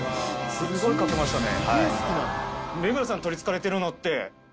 すごいかけましたね。